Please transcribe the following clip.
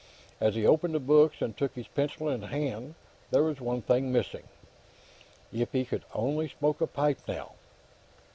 As he opened the books and took his pencil in his hand, there was one thing missing. If he could only smoke a pipe, now!